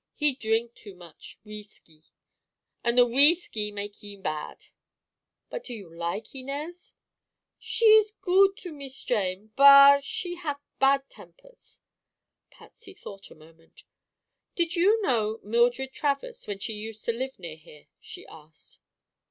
He drink too much wheesky, an' the wheesky make heem bad." "But you like Inez?" "She ees good to Mees Jane; but—she have bad tempers." Patsy thought a moment. "Did you know Mildred Travers when she used to live near here?" she asked.